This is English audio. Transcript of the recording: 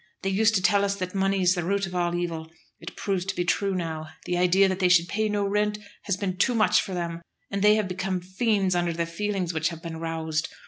They used to tell us that money is the root of all evil; it proves to be true now. The idea that they should pay no rent has been too much for them; and they have become fiends under the feelings which have been roused.